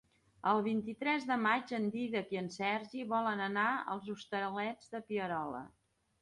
El vint-i-tres de maig en Dídac i en Sergi volen anar als Hostalets de Pierola.